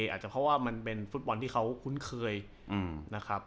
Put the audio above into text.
อาจจะเพราะว่ามันเป็นฟุตบอลที่เขาคุ้นเคยนะครับ